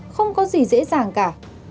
không có gì dễ dàng cả